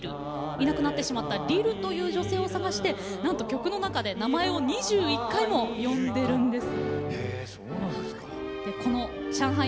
いなくなってしまったリルという女性を捜して曲の中で、なんと２１回も名前を呼んでいるそうです。